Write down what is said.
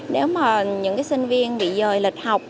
nếu mà những sinh viên bị rời lịch học